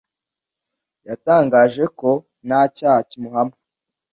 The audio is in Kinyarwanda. Yatangaje ko nta cyaha kimuhama.